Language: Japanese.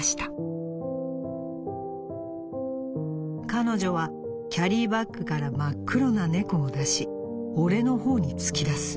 「彼女はキャリーバッグから真っ黒な猫を出し俺の方に突き出す」。